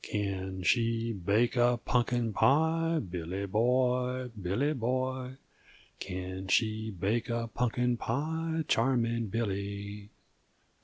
"Can she make a punkin pie, Billy boy, Billy boy, Can she make a punkin pie, charming Billy?